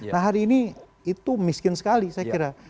nah hari ini itu miskin sekali saya kira